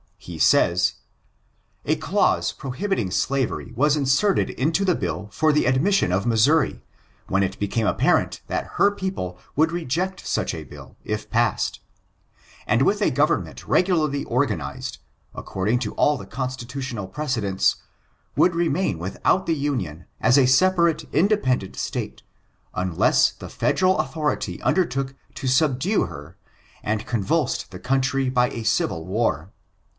He says: —A clause prohibiting slavery was inserted into the bill for the admission of Missouri, when it became apparent that her people would reject such a bill, if passed, and with a government regularly organized, according to all the constitutional precedents, would remain without the Union as a separate, independent State, unless the federal authority undertook to subdue her, and convulsed the country by a civil war.